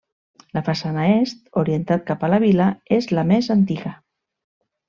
La façana est, orientat cap a la vila és la més antiga.